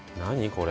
これ。